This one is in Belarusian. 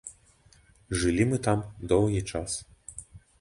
Жылі мы там доўгі час.